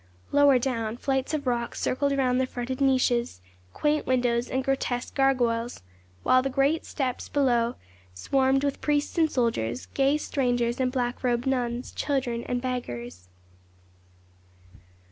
Lower down, flights of rooks circled round the fretted niches, quaint windows, and grotesque gargoyles, while the great steps below swarmed with priests and soldiers, gay strangers and black robed nuns, children and beggars.